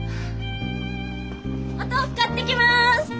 お豆腐買ってきます！